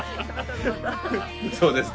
そうですね。